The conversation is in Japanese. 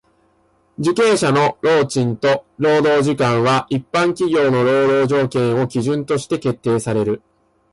受刑者の労賃と労働時間は一般企業の労働条件を基準として決定される。